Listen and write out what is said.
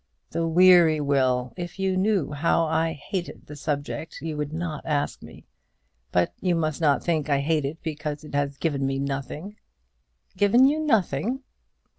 "The weary will! If you knew how I hated the subject you would not ask me. But you must not think I hate it because it has given me nothing." "Given you nothing?"